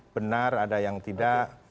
benar ada yang tidak